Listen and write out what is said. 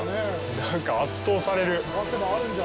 なんか圧倒される。